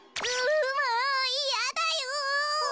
うもういやだよ。